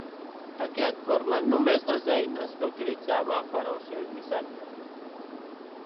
Aquest formen només les eines que utilitzava per als seus missatges.